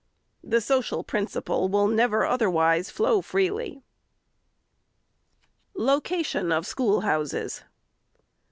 The social principle will never, other wise, flow freely. LOCATION OF SCHOOLHOUSES.